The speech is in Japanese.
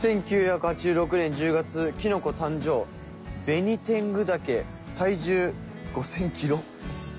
「１９８６年１０月キノコ誕生」「ベニテングタケ体重５０００キロ」